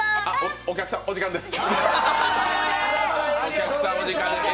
お客さん、お時間です。